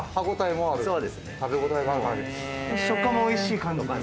食感もおいしい感じ？